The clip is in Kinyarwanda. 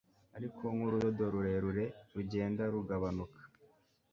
Ariko nkurudodo rurerure rugenda rugabanuka